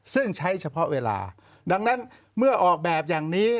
ซึ่งใช้เฉพาะเวลาดังนั้นเมื่อออกแบบอย่างนี้